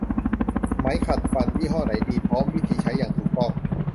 ไหมขัดฟันยี่ห้อไหนดี พร้อมวิธีใช้อย่างถูกต้อง